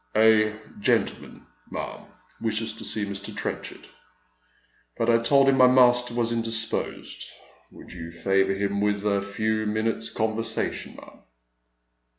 "A gentleman, ma'am, wishes to see Mr. Trenchard, but I told him my master was indisposed. Would you favour him with a few minutes' conversation, ma'am